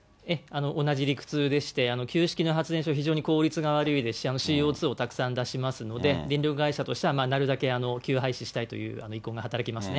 同じ理屈でして、旧式の発電所、非常に効率が悪いですし、ＣＯ２をたくさん出しますので、電力会社としては、なるたけ休廃止したいという意向が働きますね。